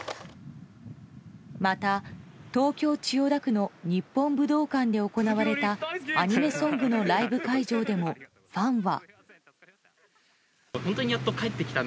また、東京・千代田区の日本武道館で行われたアニメソングのライブ会場でもファンは。